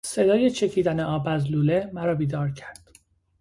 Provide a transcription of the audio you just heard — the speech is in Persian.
صدای چکیدن آب از لوله مرا بیدار کرد.